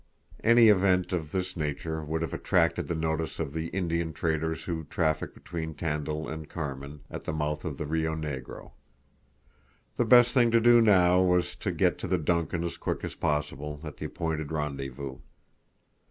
Any event of this nature would have attracted the notice of the Indian traders who traffic between Tandil and Carmen, at the mouth of the Rio Negro. The best thing to do now was to get to the DUNCAN as quick as possible at the appointed rendezvous.